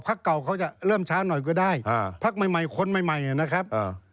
เก่าเขาจะเริ่มช้าหน่อยก็ได้พักใหม่คนใหม่ใหม่นะครับ